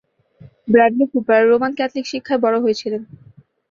Bradley Cooper Roman Catholic শিক্ষায় বড়ো হয়েছিলেন।